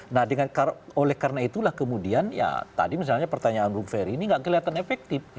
nah oleh karena itulah kemudian ya tadi misalnya pertanyaan bung ferry ini gak kelihatan efektif